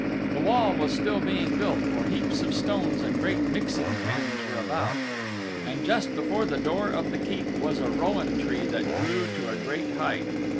The wall was still being built, for heaps of stones and great mixing pans were about. And just before the door of the Keep was a Rowan Tree that grew to a great height.